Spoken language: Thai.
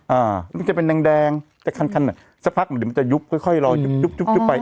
อ่ามันจะเป็นแดงแดงแต่คันคันเนี้ยสักพักมันจะยุบค่อยค่อยรอยุบยุบยุบยุบไป